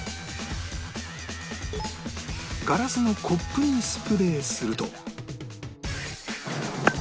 ガラスのコップにスプレーすると